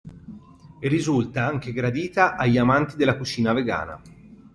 Risulta anche gradita agli amanti della cucina vegana.